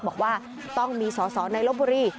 บอกว่าต้องมีสอสอในลบบุรี